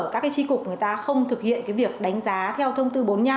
các tri cục người ta không thực hiện cái việc đánh giá theo thông tư bốn mươi năm